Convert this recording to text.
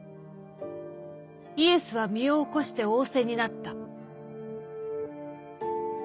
イエスは身を起こして仰せになった」。